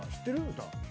歌。